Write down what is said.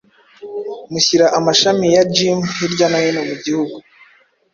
mushyira amashami ya gym hirya no hino mugihugu